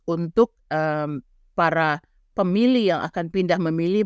untuk para pemilih yang akan pindah memilih